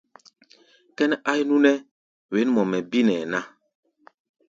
Kʼɛ́nɛ́ áí núʼnɛ́ wěn mɔ mɛ́ binɛ́ɛ ná.